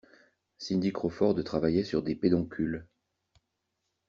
Cindy Crawford travaillait sur des pédoncules.